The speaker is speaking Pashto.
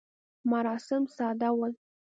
مراسم ساده ول.